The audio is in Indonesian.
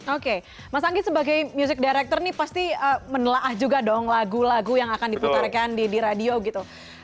oke mas anggi sebagai music director nih pasti menelah juga dong lagu lagu yang akan diputarkan di radio gitu